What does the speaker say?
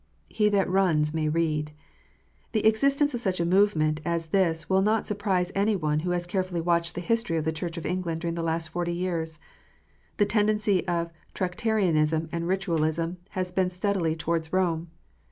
He that runs may read. The existence of such a movement as this will not surprise any one who has carefully watched the history of the Church of England during the last forty years, the tendency of Tractarianism and Ritualism has been steadily towards Rome.